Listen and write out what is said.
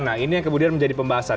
nah ini yang kemudian menjadi pembahasan